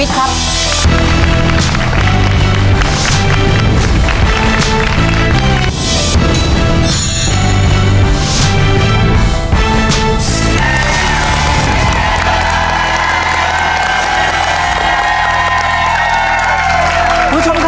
มีกำหนดข้อบังคับ